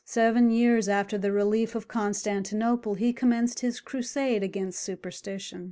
Seven years after the relief of Constantinople he commenced his crusade against superstition.